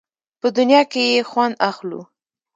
په دنیا کې یې خوند اخلو.